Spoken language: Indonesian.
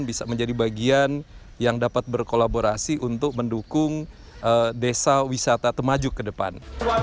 bisa menjadi bagian yang dapat berkolaborasi untuk mendukung desa wisata temajuk ke depan